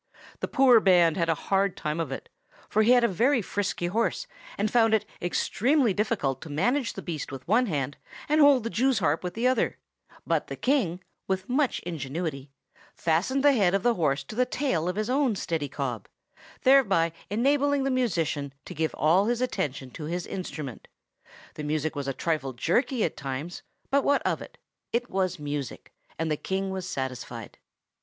The poor Band had a hard time of it; for he had a very frisky horse, and found it extremely difficult to manage the beast with one hand and hold the jews harp with the other; but the King, with much ingenuity, fastened the head of the horse to the tail of his own steady cob, thereby enabling the musician to give all his attention to his instrument. The music was a trifle jerky at times; but what of that? It was music, and the King was satisfied.